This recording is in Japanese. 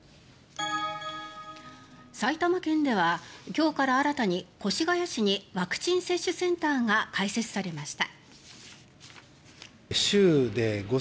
埼玉県では今日から新たに越谷市にワクチン接種センターが開設されました。